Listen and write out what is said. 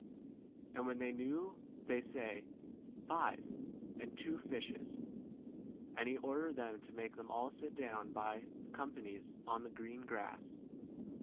And when they knew they say, Five, and 39 two fishes. And he ordered them to make them all sit down by companies on the green grass.